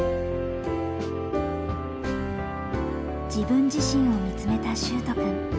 自分自身を見つめた秀斗くん。